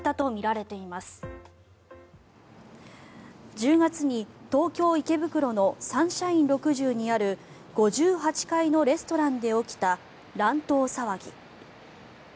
１０月に東京・池袋のサンシャイン６０にある５８階のレストランで起きた乱闘騒ぎ。